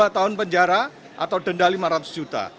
dua tahun penjara atau denda lima ratus juta